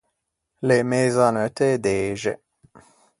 L’é mëzaneutte e dexe.